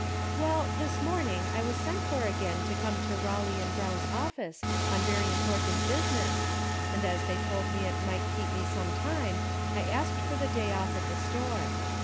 "Well, this morning I was sent for again to come to Kawley and Brown's office on very important business, and as they told me it might keep me some time I asked for the day off at the store.